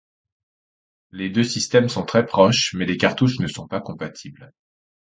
Les deux systèmes sont très proches mais les cartouches ne sont pas compatibles.